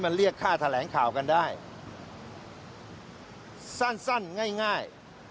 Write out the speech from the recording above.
มันเรียกค่าแถลงข่าวกันได้สั้นสั้นง่าย